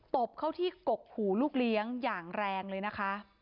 บเข้าที่กกหูลูกเลี้ยงอย่างแรงเลยนะคะ